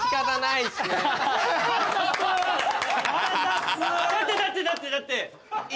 腹立つ！だってだってだってだって。